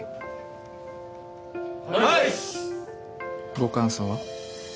ご感想は？